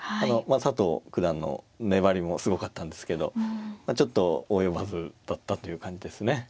まあ佐藤九段の粘りもすごかったんですけどちょっと及ばずだったという感じですね。